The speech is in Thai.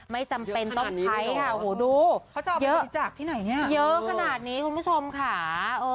ไม่จำเป็นต้มไทยค่ะโห้ดูเยอะเยอะขนาดนี้คุณผู้ชมค่า